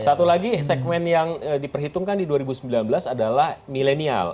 satu lagi segmen yang diperhitungkan di dua ribu sembilan belas adalah milenial